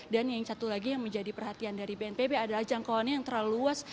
dan yang satu lagi yang menjadi perhatian dari bnpb adalah jangkauannya yang terlalu luas